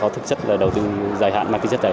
thức chất đầu tư dài hạn